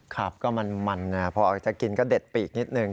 ครับก็มันนะพอจะกินก็เด็ดปีกนิดนึง